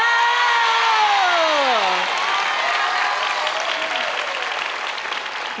อ้าว